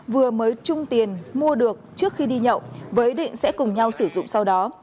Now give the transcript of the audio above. vừa mới trung tiền mua được trước khi đi nhậu với ý định sẽ cùng nhau sử dụng sau đó